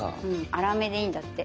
粗めでいいんだって。